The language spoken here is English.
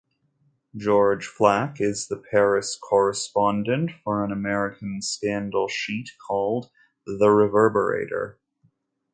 George Flack is the Paris correspondent for an American scandal sheet called "The Reverberator".